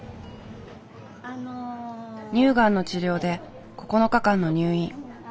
乳がんの治療で９日間の入院。